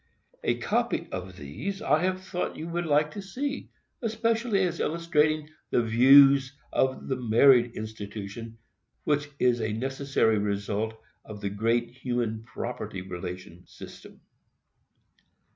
A copy of these I have thought you would like to see, especially as illustrating the views of the marriage institution which is a necessary result of the great human property relation system.